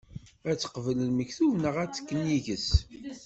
Ad teqbel lmektub, neɣ ad tekk nnig-s?